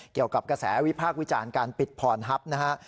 เกี่ยวกับกระแสวิพากษ์วิจารณ์การปิดพรฮัพนะฮะ